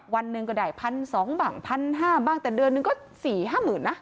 วันหนึ่งก็ได้๑๒๐๐บ้าง๑๕๐๐บ้างแต่เดือนหนึ่งก็๔๕๐๐๐นะ